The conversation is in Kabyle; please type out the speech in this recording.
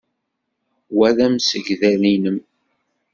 Wa d amsegdal-nnem?